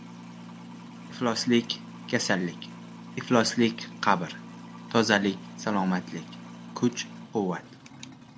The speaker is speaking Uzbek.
• Ifloslik — kasallik, ifloslik — qabr, tozalik — salomatlik, kuch-quvvat.